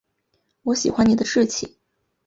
我喜欢你的志气